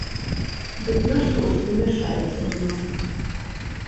Дык нашто ж вы мяшаеце мне?